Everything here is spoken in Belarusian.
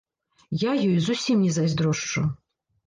Я ёй зусім не зайздрошчу.